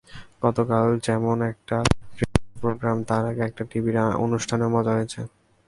গতকাল যেমন একটা রেডিও প্রোগ্রাম, তার আগে একটা টিভির অনুষ্ঠানেও মজা হয়েছে।